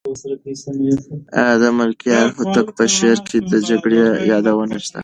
آیا د ملکیار هوتک په شعر کې د جګړې یادونه شته؟